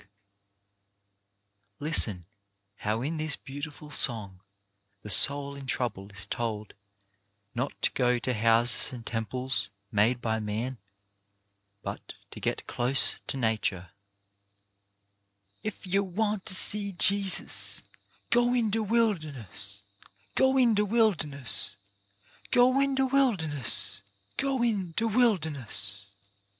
254 CHARACTER BUILDING ' Listen how in this beautiful song the soul in trouble is told not to go to houses and temples made by man, but to get close to Nature : Ef yer want to see Jesus Go in de wilderness, Go in de wilderness, Go in de wilderness, Go in de wilderness.